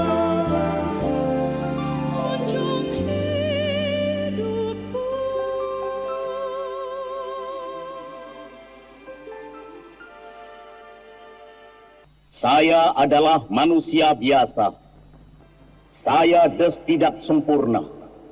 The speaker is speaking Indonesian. melihat kerata pertanggung kustes